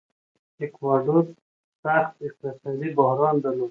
ایکواډور سخت اقتصادي بحران درلود.